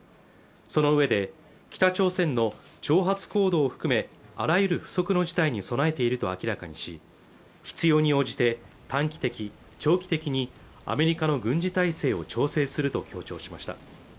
そのうえで北朝鮮の挑発行動を含めあらゆる不測の事態に備えていると明らかにし必要に応じて短期的長期的にアメリカの軍事態勢を調整すると強調しました